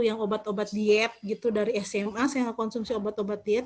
yang obat obat diet gitu dari sma saya konsumsi obat obat diet